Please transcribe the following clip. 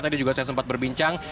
tadi juga saya sempat berbincang